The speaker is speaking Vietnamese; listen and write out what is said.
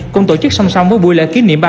cùng tổ chức song song với buổi lễ kỷ niệm